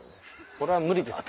これは無理ですね。